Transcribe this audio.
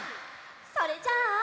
それじゃあ。